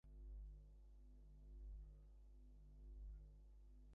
আর তাকে এই প্রোগ্রাম থেকে পাওয়া অন্যতম সেরা পাইলট হিসাবে গণ্য করা হয়।